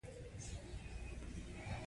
بنده حيران شي چې دغه ساده باده انسان